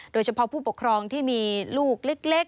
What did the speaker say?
โดยเฉพาะผู้ปกครองที่มีลูกเล็ก